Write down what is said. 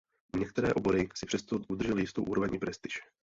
Některé obory si přesto udržely jistou úroveň i prestiž.